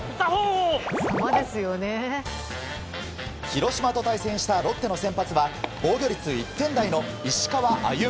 広島と対戦したロッテの先発は防御率１点台の石川歩。